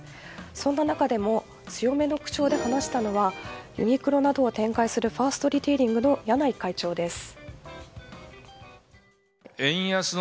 そんな中でも強めの口調で話したのがユニクロなどを展開するファーストリテイリングの柳井会長です。